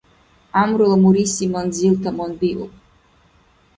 Гӏямрула муриси манзил таманбиуб